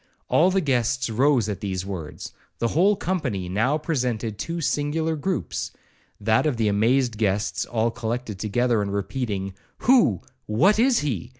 All the guests rose at these words,—the whole company now presented two singular groupes, that of the amazed guests all collected together, and repeating, 'Who, what is he?'